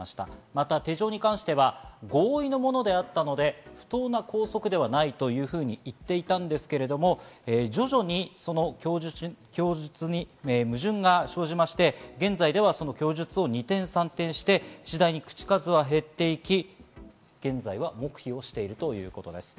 また手錠に関しては合意のものであったので、不当な拘束ではないというふうに言っていたんですけれども、徐々にその供述に矛盾が生じまして、現在ではその供述は二転三転して、次第に口数は減っていき、現在は黙秘しているということです。